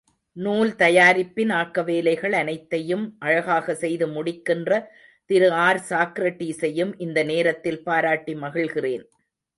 நூல் தயாரிப்பின் ஆக்க வேலைகள் அனைத்தையும் அழகாக செய்து முடிக்கின்ற திருஆர்.சாக்ரட்டீசையும் இந்த நேரத்தில் பாராட்டி மகிழ்கிறேன்.